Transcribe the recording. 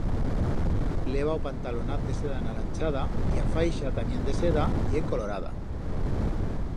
Leva o pantalonaz de seda anaranchada, y a faixa, tamién de seda, ye colorada.